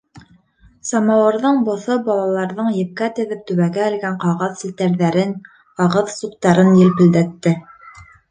Самауырҙың боҫо балаларҙың епкә теҙеп түбәгә элгән ҡағыҙ селтәрҙәрен, ҡағыҙ суҡтарын елпелдәтте.